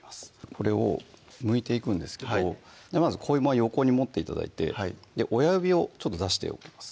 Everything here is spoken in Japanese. これをむいていくんですけどまず小芋は横に持って頂いて親指を出しておきます